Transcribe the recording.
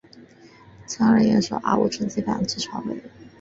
羌人首领柯吾趁机反抗曹魏。